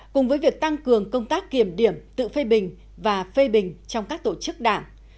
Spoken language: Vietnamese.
cùng với việc tăng cường công tác kiểm điểm tự phê bình và phê bình trong các tổ chức đảng